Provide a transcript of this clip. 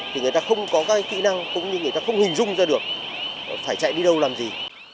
thì người ta không có các kỹ năng cũng như người ta không hình dung ra được phải chạy đi đâu làm gì